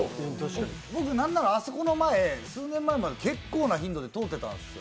僕なんなら、あそこの前、数年前まで結構な頻度で通ってたんですよ。